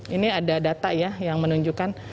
ini ada data ya yang menunjukkan